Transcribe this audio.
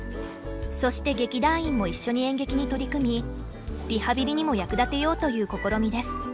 そして劇団員も一緒に演劇に取り組みリハビリにも役立てようという試みです。